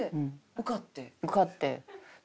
受かって。